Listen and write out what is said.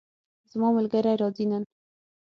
زما ملګری راځي نن